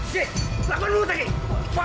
siapa kan dia